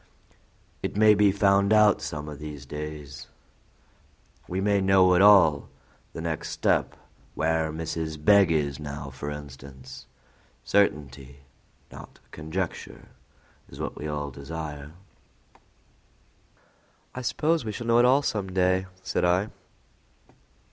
"It may be found out some o' these days," he said earnestly. "We may know it all, the next step; where Mrs. Begg is now, for instance. Certainty, not conjecture, is what we all desire." "I suppose we shall know it all some day," said I.